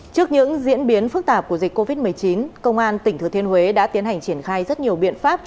trước những diễn biến phức tạp của dịch covid một mươi chín công an tỉnh thừa thiên huế đã tiến hành triển khai rất nhiều biện pháp